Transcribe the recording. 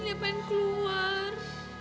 dia pengen keluar